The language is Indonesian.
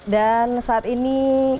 dan saat ini